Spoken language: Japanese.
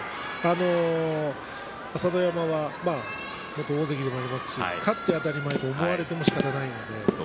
朝乃山は元大関でもありますし勝って当たり前と思われてもしかたがない。